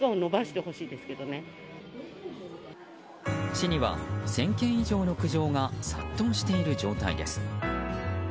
市には１０００件以上の苦情が殺到している状態です。